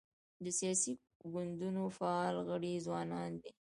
د سیاسي ګوندونو فعال غړي ځوانان دي.